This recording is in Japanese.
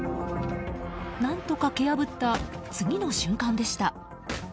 何とか蹴破った、次の瞬間でした。